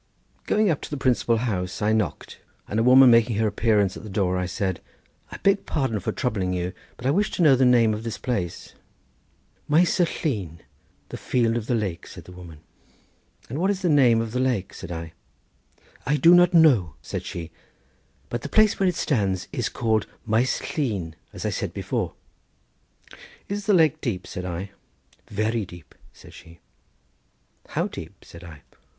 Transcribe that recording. Going up to the principal house I knocked, and a woman making her appearance at the door, I said— "I beg pardon for troubling you, but I wish to know the name of this place." "Maes y Llyn—The Field of the Lake," said the woman. "And what is the name of the lake?" said I. "I do not know," said she; "but the place where it stands is called Maes Llyn, as I said before." "Is the lake deep?" said I. "Very deep," said she. "How deep?" said I.